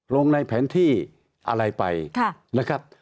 ลงในแผนที่อะไรไปนะครับ